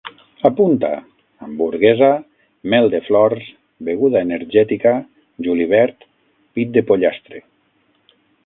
Apunta: hamburguesa, mel de flors, beguda energètica, julivert, pit de pollastre